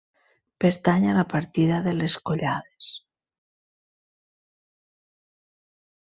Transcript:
Pertany a la partida de les Collades.